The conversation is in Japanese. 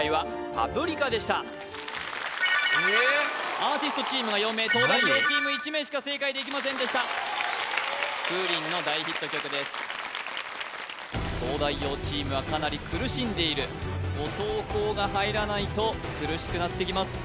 アーティストチームが４名東大王チーム１名しか正解できませんでしたＦｏｏｒｉｎの大ヒット曲です東大王チームはかなり苦しんでいる後藤弘が入らないと苦しくなってきます